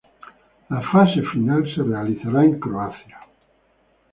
La fase final se realizará en Croacia.